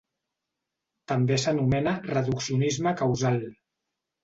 També s'anomena reduccionisme causal.